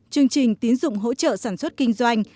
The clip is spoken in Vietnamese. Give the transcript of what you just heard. chương trình tín dụng hỗ trợ sản xuất kinh doanh